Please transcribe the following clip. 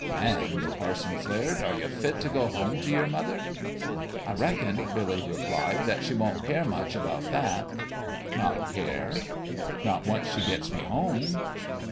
" Man," the parson flared, " are you fit to go home to your mother?" " I reckon," Billy replied, " that she won't care much about that." "Not care?" " Not once she gets me home."